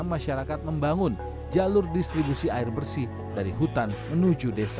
masyarakat membangun jalur distribusi air bersih dari hutan menuju desa